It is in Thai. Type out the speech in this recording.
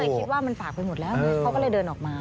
แต่คิดว่ามันฝากไปหมดแล้วไงเขาก็เลยเดินออกมา